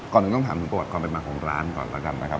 ก่อนหนึ่งต้องถามคุณประวัติความเป็นมาของร้านก่อนนะครับ